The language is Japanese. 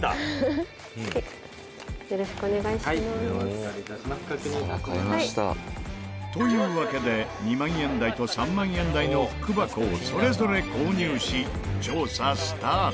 「さあ、買いました」というわけで２万円台と３万円台の福箱をそれぞれ購入し、調査スタート